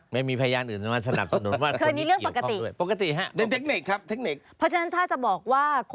ไม่มีพยานอื่นมาสนับสนุนว่า